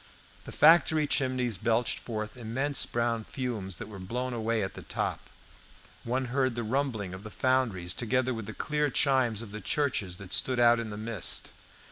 The factory chimneys belched forth immense brown fumes that were blown away at the top. One heard the rumbling of the foundries, together with the clear chimes of the churches that stood out in the mist.